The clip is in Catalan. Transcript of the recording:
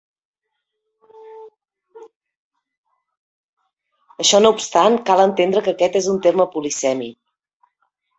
Això no obstant, cal entendre que aquest és un terme polisèmic.